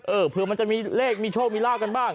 เผื่อมันจะมีเลขมีโชคมีลาบกันบ้าง